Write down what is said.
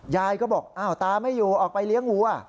ยายก็บอกอ้าวตาไม่อยู่ออกไปเลี้ยงวัว